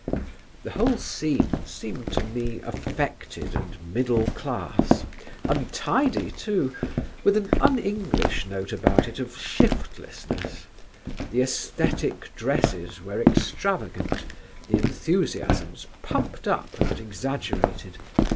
The whole scene seemed to me affected and middle class, untidy, too, with an un English note about it of shiftlessness; the æsthetic dresses were extravagant, the enthusiasms pumped up and exaggerated.